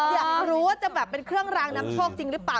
อยากรู้ว่าจะแบบเป็นเครื่องรางน้ำโชคจริงหรือเปล่า